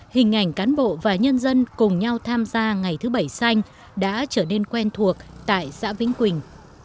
hình ảnh cán bộ và nhân dân cùng nhau tham gia ngày thứ bảy xanh đã trở nên quen thuộc tại xã vĩnh quỳnh